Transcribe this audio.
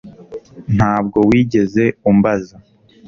Ntabwo wigeze umbaza